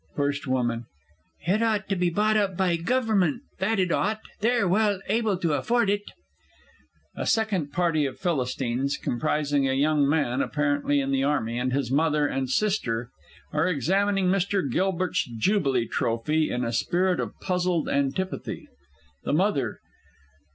FIRST W. It ought to be bought up by Gover'ment, that it ought they're well able to afford it. A select party of Philistines, comprising a young Man, apparently in the Army, and his MOTHER and SISTER, are examining Mr. Gilbert's Jubilee Trophy in a spirit of puzzled antipathy. THE MOTHER.